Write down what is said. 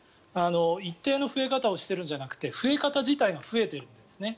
一定の増え方をしてるんじゃなくて増え方自体が増えてるんですね。